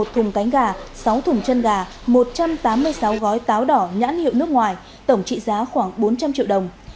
một thùng cánh gà sáu thùng chân gà một trăm tám mươi sáu gói táo đỏ nhãn hiệu nước ngoài tổng trị giá khoảng bốn trăm linh triệu đồng